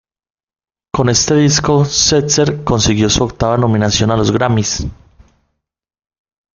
Con este disco, Setzer consiguió su octava nominación a los Grammy.